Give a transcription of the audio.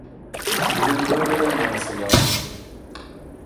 Bunun böyle olmaması lazımdı.